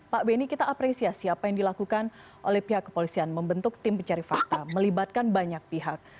pak beni kita apresiasi apa yang dilakukan oleh pihak kepolisian membentuk tim pencari fakta melibatkan banyak pihak